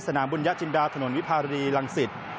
สนามบุญญจินดาถนนวิภารีรังสิต